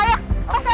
jah sentuh sentuh saya